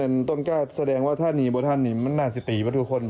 ตรงนี้ต้นกาแสดงว่าท่านนี้บ่ท่านนี้มันน่าจะตีไว้ทุกคนบ่